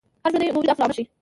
هر ژوندی موجود عکس العمل ښيي